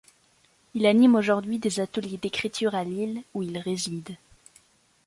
Il anime aujourd'hui des ateliers d'écriture, à Lille, où il réside.